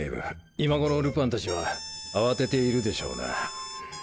今頃ルパンたちは慌てているでしょうな。